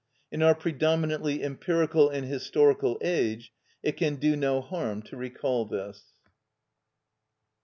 _" In our predominantly empirical and historical age it can do no harm to recall this.